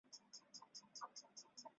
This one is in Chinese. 海峡线。